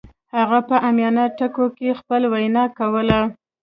هغه په عامیانه ټکو کې خپله وینا کوله